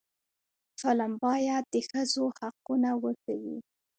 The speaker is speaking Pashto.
فلم باید د ښځو حقونه وښيي